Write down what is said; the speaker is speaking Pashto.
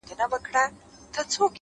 څوك دي د جاناني كيسې نه كوي،